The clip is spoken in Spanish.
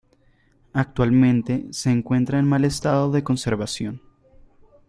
Actualmente se encuentra en mal estado de conservación.